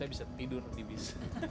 saya bisa tidur di bis